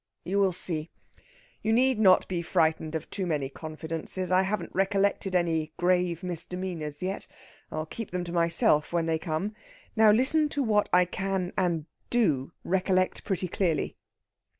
"You will see. You need not be frightened of too many confidences. I haven't recollected any grave misdemeanours yet. I'll keep them to myself when they come. Now listen to what I can and do recollect pretty clearly."